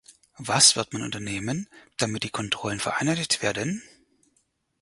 Was wird man unternehmen, damit die Kontrollen vereinheitlicht werden?